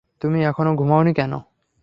তুমি এখনো ঘুমোওনি কেন?